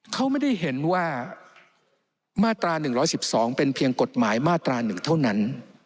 เขาไม่ได้เห็นว่ามาตรา๑๑๒เป็นเพียงกฎหมายมาตรา๑เท่านั้น